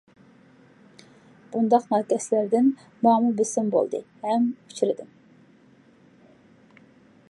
بۇنداق ناكەسلەردىن ماڭىمۇ بىسىم بولدى، ھەم ئۇچرىدىم.